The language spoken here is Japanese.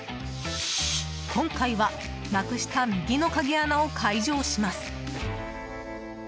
今回は、なくした右の鍵穴を解錠します。